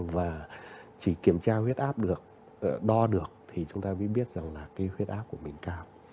và chỉ kiểm tra huyết áp được đo được thì chúng ta mới biết rằng là cái huyết áp của mình cao